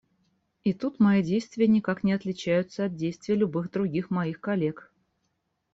И тут мои действия никак не отличаются от действий любых других моих коллег.